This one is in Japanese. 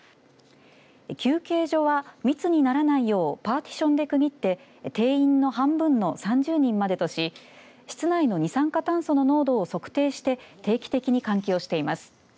休憩所は密にならないようパーティションで区切って定員の半分の３０人までとし室内の二酸化炭素の濃度を測定して定期的に換気をしています。